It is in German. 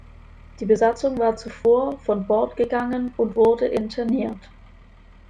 Die Besatzung war zuvor von Bord gegangen und wurde interniert.